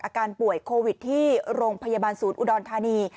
อาการป่วยโควิดที่โรงพยาบาลศูนย์อุดรธานี